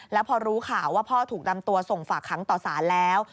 แล้วพอรู้ข่าวว่าพ่อถูกนำตัวส่งฝากค้างต่อสารแล้ว